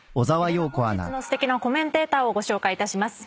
では本日のすてきなコメンテーターをご紹介いたします。